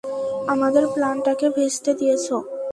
আমাদের প্লানটাকে ভেস্তে দিয়েছ।